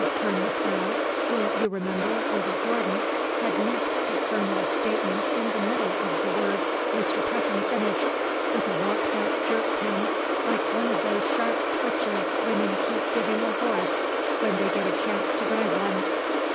Colonel Sprowle, who, you remember, was a Jordan, had nipped the Colonel's statement in the middle of the word Mr. Peckham finished, with a look that jerked him like one of those sharp twitches women keep giving a horse when they get a chance to drive one.